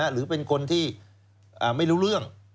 หรือเป็นคนที่ไม่รู้เรื่อง